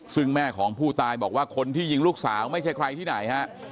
ซึ่งแม่ของผู้ตายบอกว่าคนที่ยิงลูกสาวไม่ใช่ใครที่ไหนฮะ